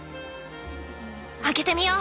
開けてみよう！